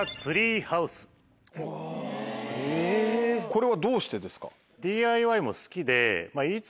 これはどうしてですか？